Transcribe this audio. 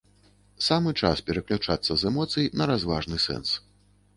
Самы час пераключацца з эмоцый на разважны сэнс.